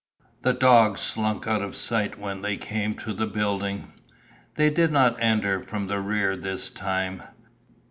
The dog slunk out of sight when they came to the building. They did not enter from the rear this time.